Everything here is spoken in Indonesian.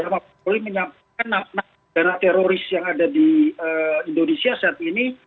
mabes polri menyampaikan nafas darah teroris yang ada di indonesia saat ini